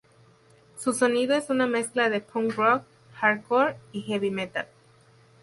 Su sonido es una mezcla de punk rock, hardcore y heavy metal.